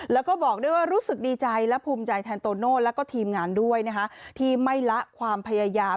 แล้วก็บอกด้วยว่ารู้สึกดีใจและภูมิใจแทนโตโน่แล้วก็ทีมงานด้วยนะคะที่ไม่ละความพยายาม